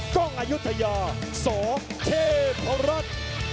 กล้องอายุทยาสเทพรัฐ